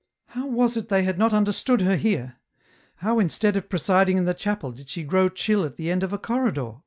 " How was it they had not understood her here ? how instead of presiding in the chapel, did she grow chill at the end of a corridor